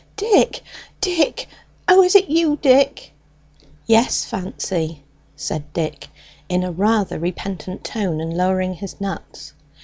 "Dick, Dick! O, is it you, Dick!" "Yes, Fancy," said Dick, in a rather repentant tone, and lowering his nuts.